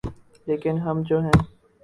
‘ لیکن ہم جو ہیں۔